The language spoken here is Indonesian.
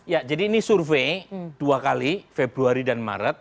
ya jadi ini survei dua kali februari dan maret